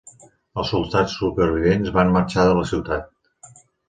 Els soldats supervivents van marxar de la ciutat.